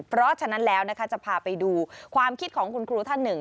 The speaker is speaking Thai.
เพราะฉะนั้นแล้วนะคะจะพาไปดูความคิดของคุณครูท่านหนึ่ง